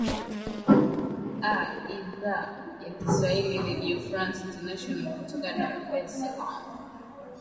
a idhaa ya kiswahili redio france international kutoka dar es salam